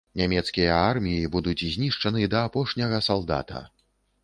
Нямецкія арміі будуць знішчаны да апошняга салдата.